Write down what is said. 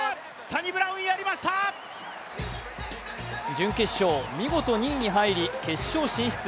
準決勝、見事２位に入り決勝進出。